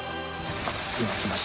今来ました。